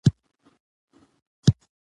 لاسونه نه ستړي کېدونکي دي